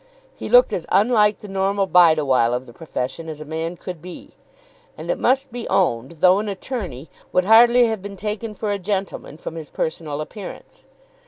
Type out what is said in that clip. He looked as unlike the normal Bideawhile of the profession as a man could be; and it must be owned, though an attorney, would hardly have been taken for a gentleman from his personal appearance.